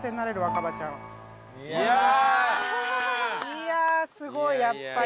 いやあすごいやっぱり。